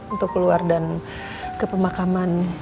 untuk keluar dan ke pemakaman